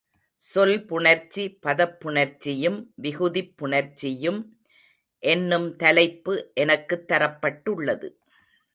சொல் புணர்ச்சி பதப் புணர்ச்சியும் விகுதிப் புணர்ச்சியும் என்னும் தலைப்பு எனக்குத் தரப்பட்டுள்ளது.